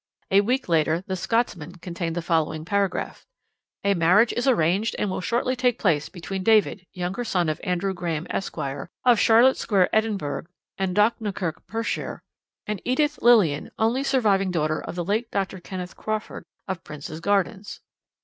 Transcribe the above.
"A week later The Scotsman contained the following paragraph: "'A marriage is arranged and will shortly take place between David, younger son of Andrew Graham, Esq., of Charlotte Square, Edinburgh, and Dochnakirk, Perthshire, and Edith Lillian, only surviving daughter of the late Dr. Kenneth Crawford, of Prince's Gardens.'